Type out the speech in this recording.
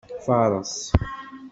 Faṛes.